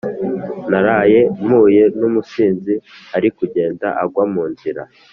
Naraye mpuye numusinzi arikugenda agwa munzira